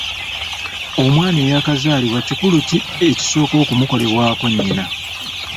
Omwana eyaakazaalibwa kikulu ki ekisooka okumukolebwako nnyina?